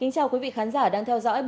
cảm ơn các bạn đã theo dõi